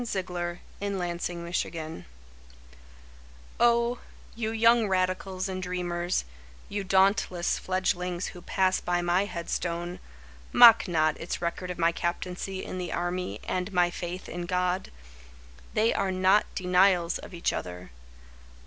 Captain Orlando Killion Oh, you young radicals and dreamers, You dauntless fledglings Who pass by my headstone, Mock not its record of my captaincy in the army And my faith in God! They are not denials of each other.